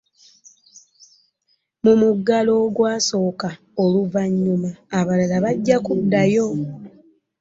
Mu muggalo ogwasooka oluvannyuma abalala bajja kuddayo